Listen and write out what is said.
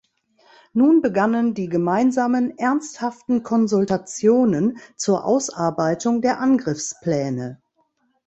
Nun begannen die gemeinsamen ernsthaften Konsultationen zur Ausarbeitung der Angriffspläne.